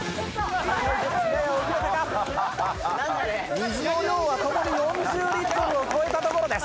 水の量はともに４０リットルを超えたところです。